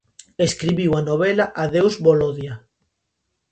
Escribiu a novela "Adeus Volodia".